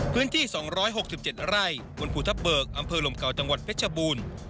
๒๖๗ไร่บนภูทับเบิกอำเภอลมเก่าจังหวัดเพชรบูรณ์